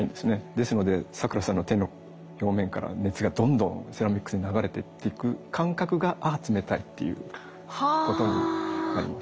ですので咲楽さんの手の表面から熱がどんどんセラミックスに流れていく感覚が「あっ冷たい」っていうことになります。